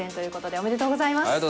ありがとうございます。